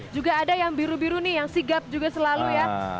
juga ada yang biru biru nih yang sigap juga selalu ya